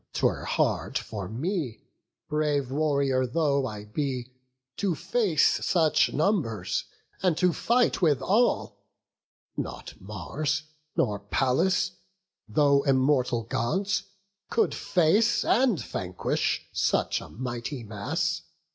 'Twere hard for me, brave warrior though I be, To face such numbers, and to fight with all: Not Mars, nor Pallas, though immortal Gods, Could face, and vanquish, such a mighty mass.